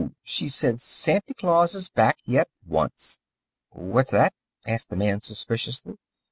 she said, "Santy Claus is back yet once!" "What's that?" asked the man suspiciously.